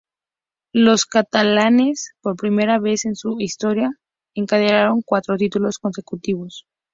Los catalanes, por primera vez en su historia, encadenaron cuatro títulos consecutivos.